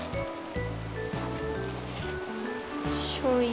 しょうゆ。